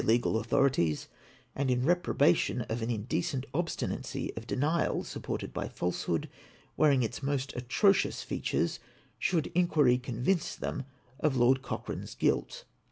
legal authorities, and iu reprobation of au indecent obstinacy of denial, supported by falsehood wearing its most atrocious features, should iu(piiry convince them of Lord Cochran e's guilt.